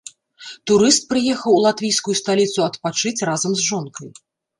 Турыст прыехаў у латвійскую сталіцу адпачыць разам з жонкай.